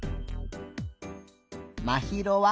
まひろは？